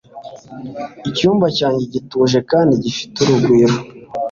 Icyumba cyanjye gituje kandi gifite urugwiro